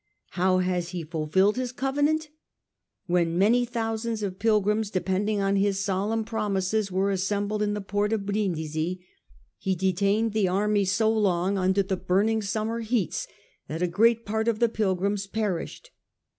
How has he fulfilled his covenant ? When many thousands of pilgrims, depending on his solemn promises, were assembled in the port of Brindisi, he detained the army so long, under the burning summer heats, that a great part of the pilgrims perished.